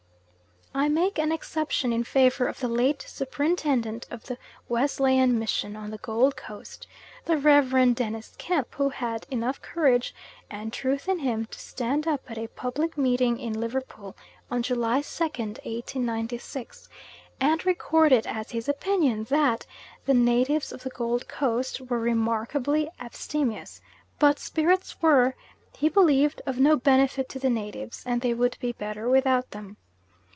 I make an exception in favour of the late superintendent of the Wesleyan mission on the Gold Coast, the Rev. Dennis Kemp, who had enough courage and truth in him to stand up at a public meeting in Liverpool, on July 2nd, 1896, and record it as his opinion that, "the natives of the Gold Coast were remarkably abstemious; but spirits were, 'he believed,' of no benefit to the natives, and they would be better without them."